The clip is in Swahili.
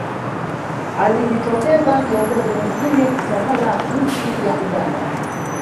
alijitokeza kiongozi mwingine kutawala nchi ya uganda